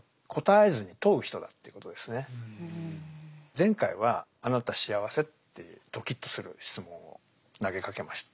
前回は「あなた幸せ？」っていうどきっとする質問を投げかけました。